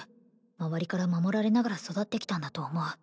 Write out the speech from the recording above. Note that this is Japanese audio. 周りから守られながら育ってきたんだと思う